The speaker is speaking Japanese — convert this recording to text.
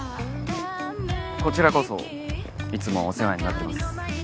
こちらこそいつもお世話になってます。